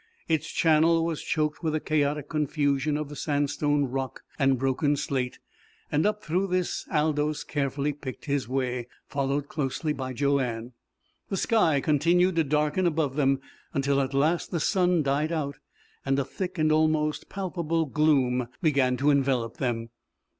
Its channel was choked with a chaotic confusion of sandstone rock and broken slate, and up through this Aldous carefully picked his way, followed closely by Joanne. The sky continued to darken above them, until at last the sun died out, and a thick and almost palpable gloom began to envelop them.